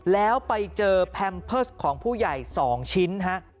แล้วไปเจอแพมเพิร์สของผู้ใหญ่๒ชิ้นฮะ